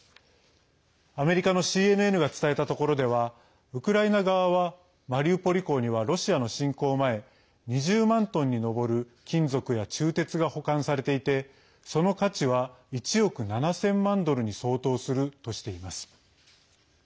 アメリカのＣＮＮが伝えたところではウクライナ側はマリウポリ港にはロシアの侵攻前２０万トンに上る金属や鋳鉄が保管されていてその価値は１億７０００万ドルに相当するとしています。